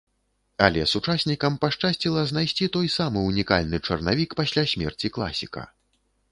Але сучаснікам пашчасціла знайсці той самы ўнікальны чарнавік пасля смерці класіка.